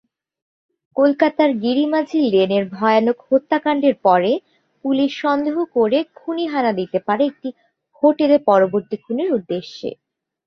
কলকাতার গিরি মাঝি লেনের ভয়ানক হত্যাকাণ্ডের পরে পুলিশ সন্দেহ করে খুনি হানা দিতে পারে একটি হোটেলে পরবর্তী খুনের উদ্দেশ্যে।